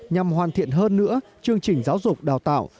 nhằm hoàn thiện hơn nữa chương trình giáo dục đào tạo